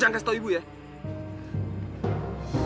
what was alat uranukd porturanya didrik posisionasi